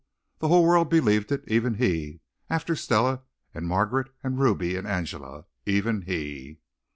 The whole world believed it even he, after Stella and Margaret and Ruby and Angela. Even he.